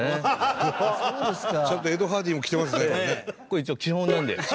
これ一応基本なんで。